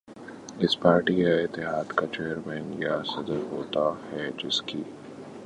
اس party یا اتحاد کا چیئرمین یا صدر ہوتا ہے جس کی